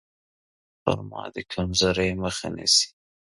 خرما د کمزورۍ مخه نیسي.